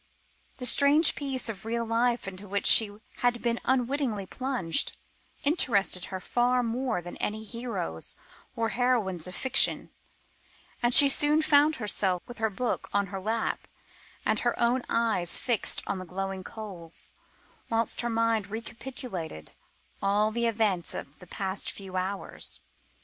The strange piece of real life into which she had been unwittingly plunged, interested her far more than any heroes or heroines of fiction, and she soon found herself with her book on her lap, and her own eyes fixed on the glowing coals, whilst her mind recapitulated all the events of the past few hours.